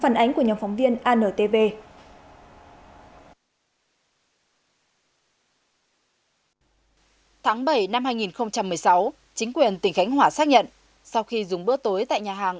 tháng bảy năm hai nghìn một mươi sáu chính quyền tỉnh khánh hòa xác nhận sau khi dùng bữa tối tại nhà hàng